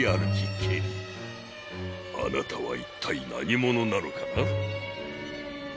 あなたは一体何者なのかな？